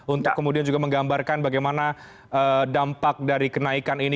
untuk kemudian juga menggambarkan bagaimana dampak dari kenaikan ini